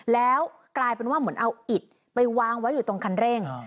แล้วกลายเป็นว่าเหมือนเอาอิดไปวางไว้อยู่ตรงคันเร่ง